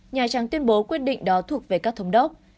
nhà trắng tuyên bố quyết định đó thuộc về các thống đốc